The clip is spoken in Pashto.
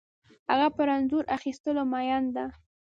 هغه پر انځور اخیستلو مین ده